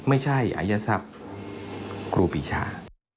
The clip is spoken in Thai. ไม่ใช่อายทรัพย์ครูปีชา